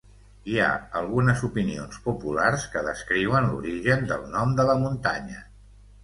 Hi ha algunes opinions populars que descriuen l'origen del nom de la muntanya.